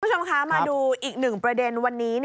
คุณผู้ชมคะมาดูอีกหนึ่งประเด็นวันนี้